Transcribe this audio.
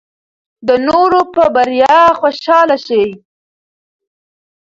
د نورو په بریا خوشحاله شئ.